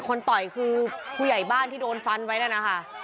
ต่อยคือผู้ใหญ่บ้านที่โดนฟันไว้นั่นนะคะ